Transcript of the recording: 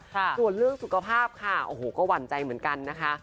ส่วนเรื่องสุขภาพค่ะโอ้โหก็หวั่นใจเหมือนกันนะคะ